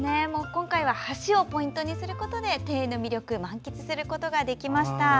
今回は橋をポイントにすることで庭園の魅力を満喫することができました。